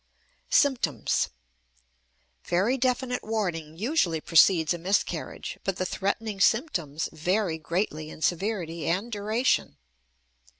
SYMPTOMS. Very definite warning usually precedes a miscarriage, but the threatening symptoms vary greatly in severity and duration.